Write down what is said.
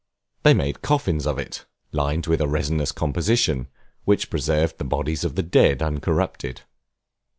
They made coffins of it, lined with a resinous composition, which preserved the bodies of the dead uncorrupted.